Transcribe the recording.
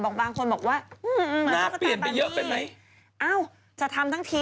บางคนบอกว่ามาใช้ตากะตานนี้